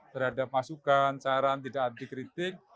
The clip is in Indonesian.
terhadap masukan saran tidak anti kritik